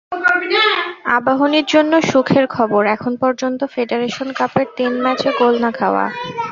আবাহনীর জন্য সুখের খবর, এখন পর্যন্ত ফেডারেশন কাপের তিন ম্যাচে গোল না-খাওয়া।